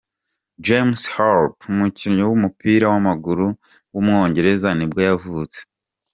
James Harper, umukinnyi w’umupira w’amaguru w’umwongereza nibwo yavutse.